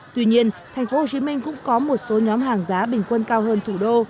tuy nhiên thành phố hồ chí minh cũng có một số nhóm hàng giá bình quân cao hơn thủ đô